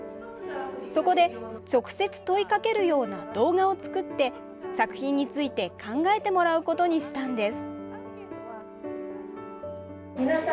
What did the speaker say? そこで直接問いかけるような動画を作って作品について考えてもらうことにしたんです。